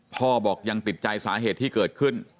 พ่อบอกยังติดใจสาเหตุที่เกิดขึ้น